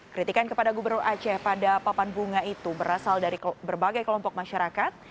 kritikan kepada gubernur aceh pada papan bunga itu berasal dari berbagai kelompok masyarakat